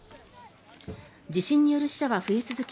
地震による死者は増え続け